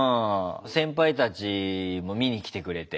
先輩たちも見に来てくれて。